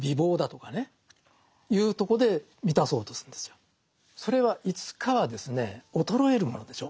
このそれはいつかはですね衰えるものでしょう。